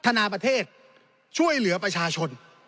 นาประเทศช่วยเหลือประชาชน